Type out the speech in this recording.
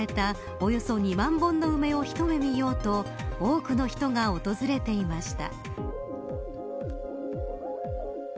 およそ２万本の梅を一目見ようと多くの人が訪れていました。